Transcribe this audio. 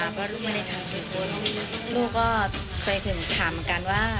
เพราะว่าลูกไม่ได้ทำผิดลูกก็เคยถามกันว่า